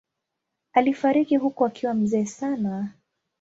Alifariki huko akiwa mzee sana.